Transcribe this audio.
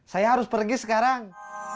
saya harus pergi sekarang